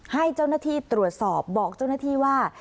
ให้เจ้าหน้าที่ตรวจสอบบอกเจ้าหน้าที่ว่า